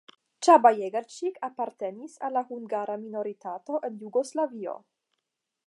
Csaba Jegercsik apartenis al la hungara minoritato en Jugoslavio.